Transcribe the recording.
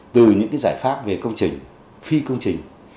từ những giải pháp về công trình phi công trình